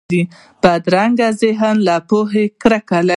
بدرنګه ذهن له پوهې کرکه لري